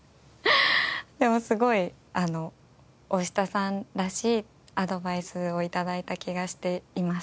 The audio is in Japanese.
でもすごい大下さんらしいアドバイスを頂いた気がしています。